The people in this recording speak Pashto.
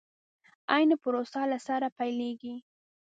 عين پروسه له سره پيلېږي.